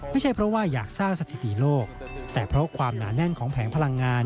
ไม่ใช่เพราะว่าอยากสร้างสถิติโลกแต่เพราะความหนาแน่นของแผงพลังงาน